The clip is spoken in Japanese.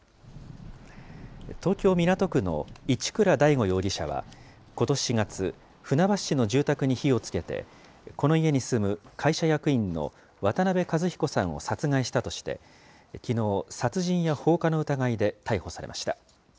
東京・港区の一倉大悟容疑者は、ことし４月、船橋市の住宅に火をつけて、この家に住む会社役員の渡邉和彦さんを殺害したとして、きのう、殺人や放火の疑いで逮捕されました。